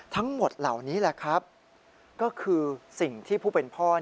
ทั้งหมดเหล่านี้แหละครับก็คือสิ่งที่ผู้เป็นพ่อ